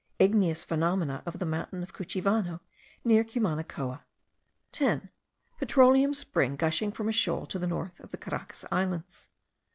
Igneous phenomena of the mountain of Cuchivano, near Cumanacoa. 10. Petroleum spring gushing from a shoal to the north of the Caracas Islands.